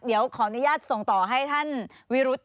เดี๋ยวขออนุญาตส่งต่อให้ท่านวิรุธ